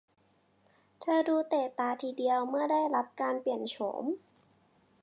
เธอดูเตะตาทีเดียวเมื่อได้รับการเปลี่ยนโฉม